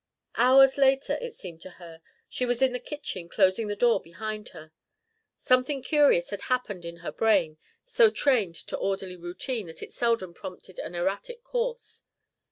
Hours later, it seemed to her, she was in the kitchen closing the door behind her. Something curious had happened in her brain, so trained to orderly routine that it seldom prompted an erratic course.